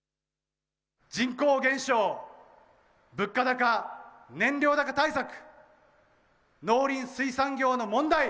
人口減少、物価高、燃料高対策、農林水産業の問題。